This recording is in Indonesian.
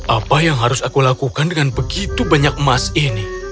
apa yang harus aku lakukan dengan begitu banyak emas ini